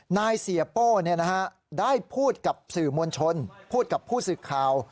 นายเสียโป้ได้พูดกับสื่อมวลชนพูดกับผู้สื่อข่าว